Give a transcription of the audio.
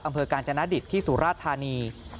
อำเภอกาญจนาดิตที่สุราธานี